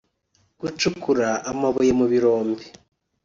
gucukura amabuye mu birombe